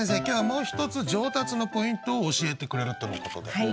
今日はもう一つ上達のポイントを教えてくれるとのことで。